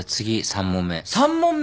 ３問目！？